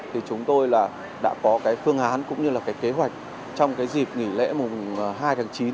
thì chúng tôi đã có phương án cũng như kế hoạch trong dịp nghỉ lễ hai tháng chín